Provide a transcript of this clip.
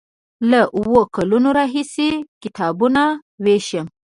له اوو کلونو راهیسې کتابونه ویشم.